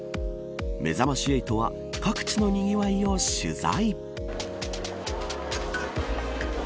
めざまし８は各地のにぎわいを取材。